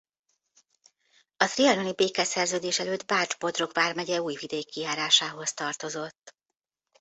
A trianoni békeszerződés előtt Bács-Bodrog vármegye Újvidéki járásához tartozott.